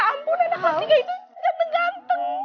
ya ampun anak kelas tiga itu ganteng ganteng